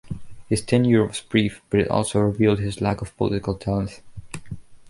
His tenure was brief but it also revealed his lack of political talent.